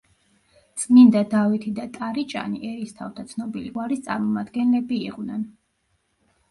წმინდა დავითი და ტარიჭანი ერისთავთა ცნობილი გვარის წარმომადგენლები იყვნენ.